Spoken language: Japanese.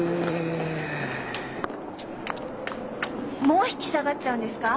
もう引き下がっちゃうんですか？